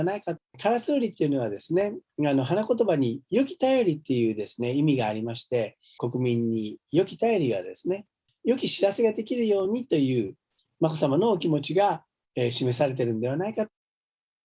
烏瓜というのは、花言葉によき便りっていう意味がありまして、国民によき便りがよき知らせができるようにという、眞子さまのお気持ちが示されているのではないかと。